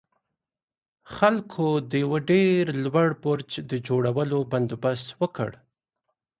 خلکو د يوه ډېر لوړ برج د جوړولو بندوبست وکړ.